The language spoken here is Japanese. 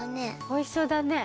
おいしそうだね。